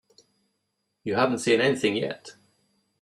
You haven't seen anything yet.